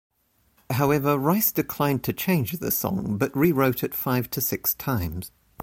However, Rice declined to change the song, but rewrote it five to six times.